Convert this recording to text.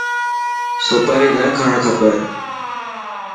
سوپاري نا کاڻ کپي.